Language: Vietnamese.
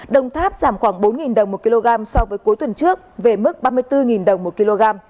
đồng tháp giảm khoảng bốn đồng một kg so với cuối tuần trước về mức ba mươi bốn đồng một kg